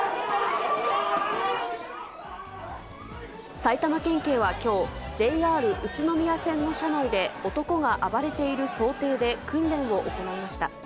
埼玉県警はきょう、ＪＲ宇都宮線の車内で男が暴れている想定で訓練を行いました。